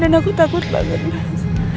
dan aku takut banget mas